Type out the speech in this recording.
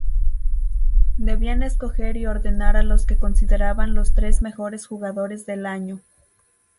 Debían escoger y ordenar a los que consideraban los tres mejores jugadores del año.